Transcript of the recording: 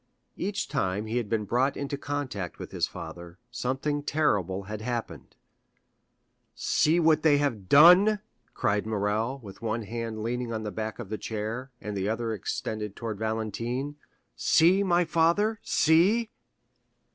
Each time he had been brought into contact with his father, something terrible had happened. "See what they have done!" cried Morrel, with one hand leaning on the back of the chair, and the other extended towards Valentine. "See, my father, see!"